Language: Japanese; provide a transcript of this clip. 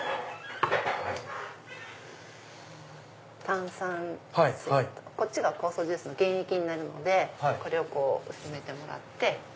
炭酸水とこっちが酵素ジュースの原液になるのでこれを薄めてもらって。